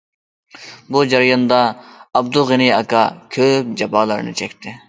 بۇ جەرياندا، ئابدۇغېنى ئاكا كۆپ جاپالارنى چەكتى.